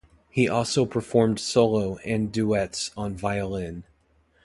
He also performed solo and duets on violin.